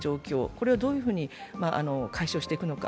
これをどういうふうに解消していくのか。